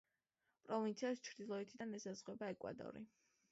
პროვინციას ჩრდილოეთიდან ესაზღვრება ეკვადორი.